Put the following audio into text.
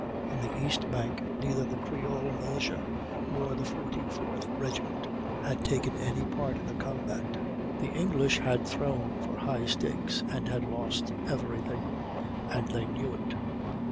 On the east bank, neither the creole militia nor the Forty fourth regiment had taken any part in the combat. The English had thrown for high stakes and had lost every thing, and they knew it.